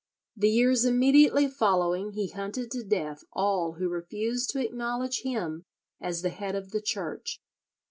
The years immediately following he hunted to death all who refused to acknowledge him as the head of the Church.